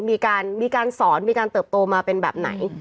มีการสอนมีการเติบโตมาเป็นแบบไหน